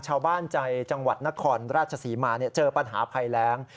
ชาวบ้านใจจังหวัดนครราชศรีมาเจอปัญหาภัยแรง